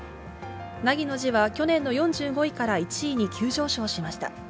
凪の字は去年４５位から１位に急上昇しました。